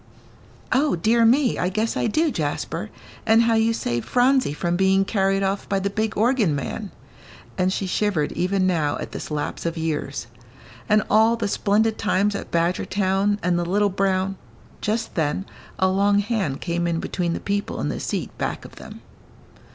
"O dear me, I guess I do, Jasper, and how you saved Phronsie from being carried off by the big organ man," and she shivered even now at this lapse of years. "And all the splendid times at Badgertown and the little brown " Just then a long hand came in between the people in the seat back of them.